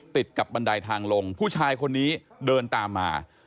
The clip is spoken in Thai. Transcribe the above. ติดกับบันไดทางลงผู้ชายคนนี้เดินตามมา